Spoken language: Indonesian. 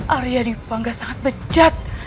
arya dwi pangga sangat bejat